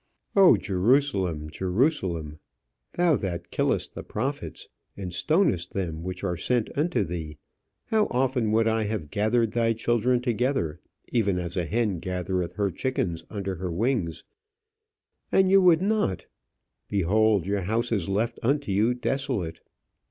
"O, Jerusalem, Jerusalem! thou that killest the prophets, and stonest them which are sent unto thee, how often would I have gathered thy children together, even as a hen gathereth her chickens under her wings, and ye would not! Behold, your house is left unto you desolate."